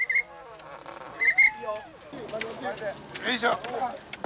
よいしょ。